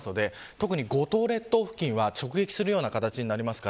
特に五島列島付近は直撃する形になります。